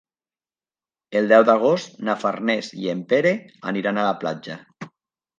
El deu d'agost na Farners i en Pere aniran a la platja.